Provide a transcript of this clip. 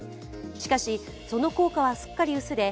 しかし、その効果はすっかり薄れ